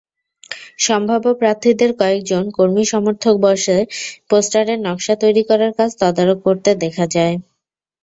সম্ভাব্য প্রার্থীদের কয়েকজন কর্মী-সমর্থক বসে পোস্টারের নকশা তৈরির কাজ তদারক করতে দেখা যায়।